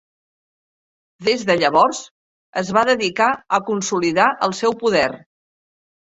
Des de llavors es va dedicar a consolidar el seu poder.